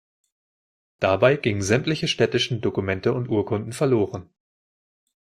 Dabei gingen sämtliche städtischen Dokumente und Urkunden verloren.